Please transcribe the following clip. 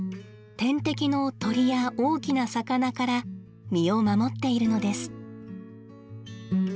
天敵の鳥や大きな魚から身を守っているのです。